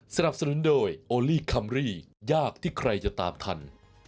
สนับสนุนโดยโอลี่คัมรี่ยากที่ใครจะตามทัน